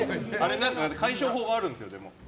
対処法があるんですよ。